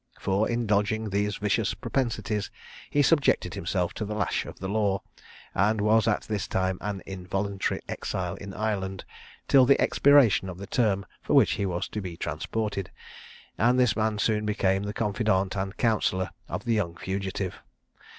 For indulging these vicious propensities, he subjected himself to the lash of the law, and was at this time an involuntary exile in Ireland till the expiration of the term for which he was to be transported; and this man soon became the confidant and counsellor of the young fugitive.